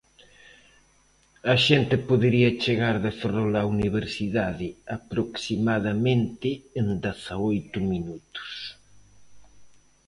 A xente podería chegar de Ferrol á universidade aproximadamente en dezaoito minutos.